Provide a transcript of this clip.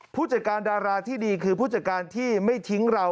ผู้จัดการดาราที่ดีคือผู้จัดการที่ไม่ทิ้งเรา